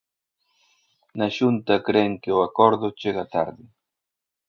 Na Xunta cren que o acordo chega tarde.